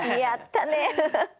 やったね！